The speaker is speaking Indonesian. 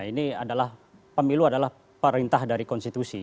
ini adalah pemilu adalah perintah dari konstitusi